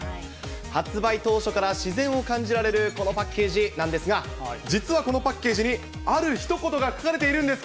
発売当初から自然を感じられるこのパッケージなんですが、実はこのパッケージに、あるひと言が書かれているんです。